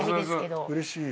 うれしい。